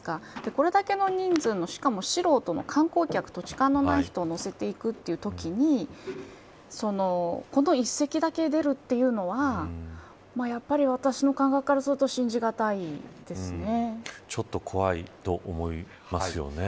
これだけの人数のしかも素人の観光客土地勘のない人を乗せていくときにこの１隻だけ出るというのはやっぱり私の感覚からするとちょっと怖いと思いますよね。